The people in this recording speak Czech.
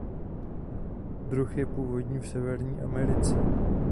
Druh je původní v Severní Americe.